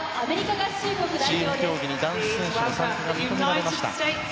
チーム競技に男子選手の参加が認められました。